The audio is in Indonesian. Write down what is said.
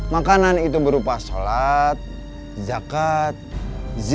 makanan itu berupa makanan yang berasal dari allah subhanahu wa ta'ala